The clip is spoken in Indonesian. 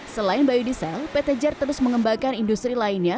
selain biodiesel pt jar terus mengembangkan industri lainnya